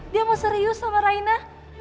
dia mau serius sama raina